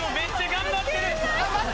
頑張って！